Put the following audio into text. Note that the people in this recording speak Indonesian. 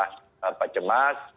tidak usah cemas